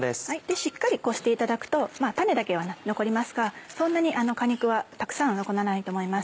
しっかりこしていただくと種だけは残りますがそんなに果肉はたくさん残らないと思います。